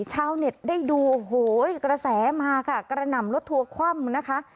ชาวเน็ตได้ดูโอ้โหกระแสมาค่ะกระหน่ำรถทัวร์คว่ำนะคะ